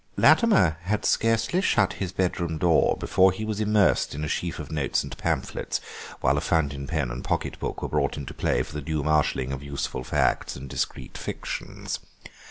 Latimer had scarcely shut his bedroom door before he was immersed in a sheaf of notes and pamphlets, while a fountain pen and pocket book were brought into play for the due marshalling of useful facts and discreet fictions.